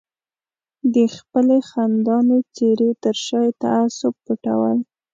د خپلې خندانې څېرې تر شا یې تعصب پټول.